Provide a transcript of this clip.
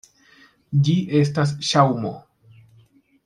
Ĝi estas ŝaŭmo.